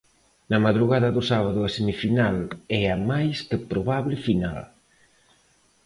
Na madrugada do sábado a semifinal e a máis que probable final.